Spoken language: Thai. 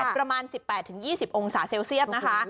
ประมาณ๑๘๒๐องศาเซลเซียสนะคะ